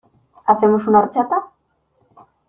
¿Hacemos una horchata?